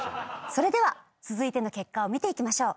それでは続いての結果を見ていきましょう。